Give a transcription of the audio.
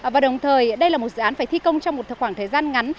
và đồng thời đây là một dự án phải thi công trong một khoảng thời gian ngắn